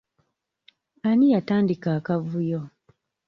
Ani yatandika akavuyo?